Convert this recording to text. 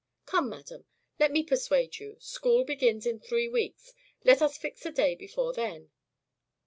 Come, madam, let me persuade you. School begins in three weeks. Let us fix a day before then."